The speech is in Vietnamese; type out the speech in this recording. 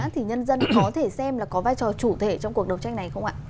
thì nhân dân có thể xem là có vai trò chủ thể trong cuộc đấu tranh này không ạ